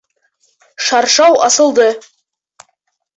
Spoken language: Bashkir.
Шаршау асылды!